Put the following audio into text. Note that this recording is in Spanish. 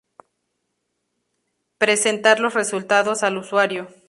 C. Presentar los resultados al usuario.